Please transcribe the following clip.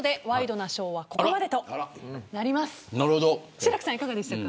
志らくさん、いかがでしたか。